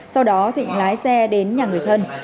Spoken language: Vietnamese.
sau đó thịnh lái xe đến nhà người thân